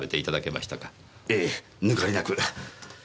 ええ抜かりなく。